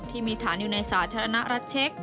ที่มีฐานอยู่ในสาธารณรัฐเช็ค